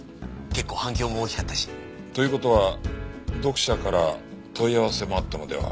結構反響も大きかったし。という事は読者から問い合わせもあったのでは？